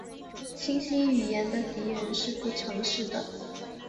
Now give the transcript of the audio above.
清晰语言的敌人是不诚实。